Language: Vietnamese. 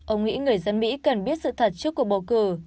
ông nghĩ người dân mỹ cần biết sự thật trước cuộc bầu cử